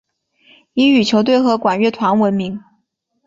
以羽球队和管乐团闻名。